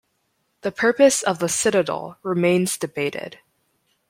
The purpose of the citadel remains debated.